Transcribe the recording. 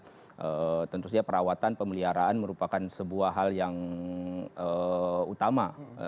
ya tentu saja perawatan pemeliharaan merupakan sebuah hal yang utama